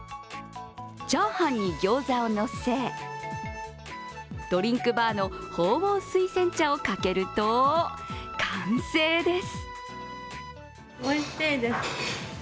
チャーハンに餃子を乗せ、ドリンクバーの鳳凰水仙茶をかけると完成です。